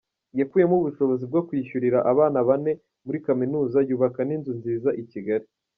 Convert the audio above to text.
Yakuyemo ubushobozi bwo kwishyurira abana bane muri Kaminuza, yubaka n’inzu nziza i Kigali.